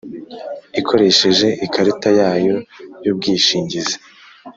ikoresheje ikarita yayo y ubwishingizi.